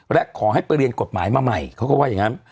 และขอให้ไปเรียนกฎหมายมาใหม่เขาก็ว่าอย่างนั้น